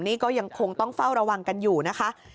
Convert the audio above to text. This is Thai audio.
นี่ก็ยังคงต้องเฝ้าระวังกันอยู่นะคะ